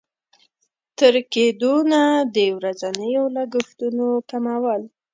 تر کېدونه د ورځنيو لګښتونو کمول.